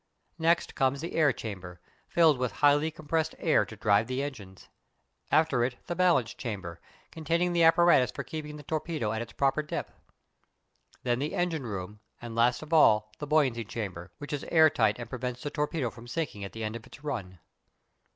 Next comes the air chamber, filled with highly compressed air to drive the engines; after it the balance chamber, containing the apparatus for keeping the torpedo at its proper depth; then the engine room; and, last of all, the buoyancy chamber, which is air tight and prevents the torpedo from sinking at the end of its run.